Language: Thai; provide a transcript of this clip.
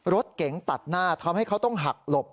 รถเก๋งตัดหน้าทำให้เขาต้องหักหลบ